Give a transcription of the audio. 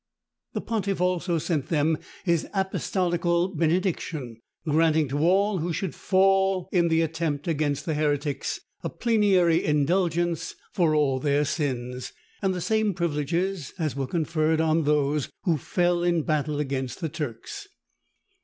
The pontiff also sent them his apostolical benediction, granting to all who should fall in the attempt against the heretics, a plenary indulgence for all their sins, and the same privileges as were conferred on those who fell in battle against the Turks.